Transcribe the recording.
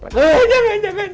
jangan jangan jangan